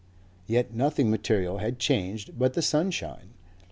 Yet nothing material had changed but the sunshine.